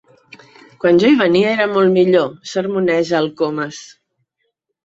Quan jo hi venia era molt millor —sermoneja el Comas—.